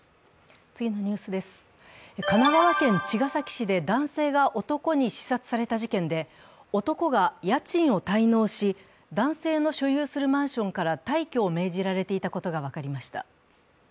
神奈川県茅ヶ崎市で男性が男に刺殺された事件で、男が家賃を滞納し、男性の所有するマンションから退去を命じられていたことが分かりました。